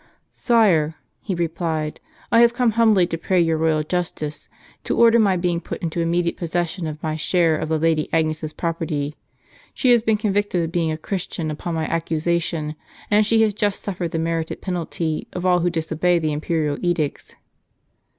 "Sire," he replied, "I have come humbly to pray your royal justice, to order my being put into immediate possession of my share of the Lady Agnes' s property. She has been d t^ convicted of being a Christian upon my accusation, and she has just suffered the merited penalty of all who disobey the imperial edicts."